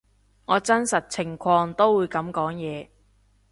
我真實情況都會噉講嘢